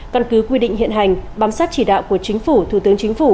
căn cứ quy định hiện hành bám sát chỉ đạo của chính phủ thủ tướng chính phủ